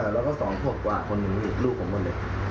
๙๕แล้ว๒ขวบกว่าคนหนึ่งลูกผมคนเด็ก